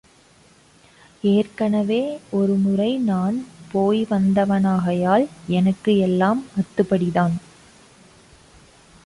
ஏற்கனவே ஒரு முறை நான் போய் வந்தவனாகையால் எனக்கு எல்லாம் அத்துபடிதான்!